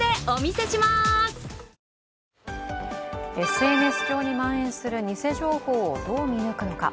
ＳＮＳ上にまん延する偽情報をどう見抜くのか。